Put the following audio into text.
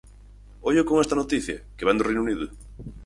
Ollo con esta noticia, que vén do Reino Unido.